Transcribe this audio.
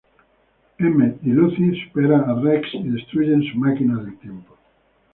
Emmet y Lucy superan a Rex y destruyen su máquina del tiempo.